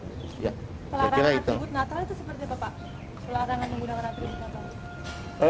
pelarangan atribut natal itu seperti apa pak pelarangan menggunakan atribut natal